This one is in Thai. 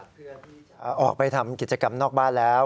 ตรวจสภาพอากาศเพื่อที่จะออกไปทำกิจกรรมนอกบ้านแล้ว